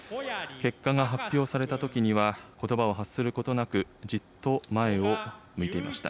結果が発表されたときには、ことばを発することなく、じっと前を向いていました。